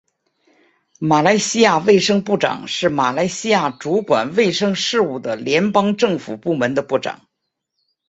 马来西亚卫生部长是马来西亚主管卫生事务的联邦政府部门的部长。